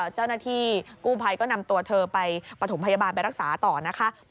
เจ้าหน้าที่กู้ภัยก็นำตัวเธอไปปฐมพยาบาลไปรักษาต่อนะคะ